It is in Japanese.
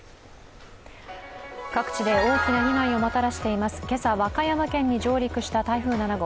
各地で大きな被害をもたらしています、今朝、和歌山県に上陸した台風７号。